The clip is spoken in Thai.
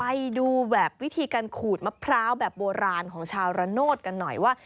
ไปดูแบบวิธีการขูดมะพร้าวแบบโบราณของชาวระโนธกันหน่อยว่า